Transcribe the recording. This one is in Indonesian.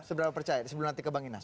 sebelum nanti ke bang inas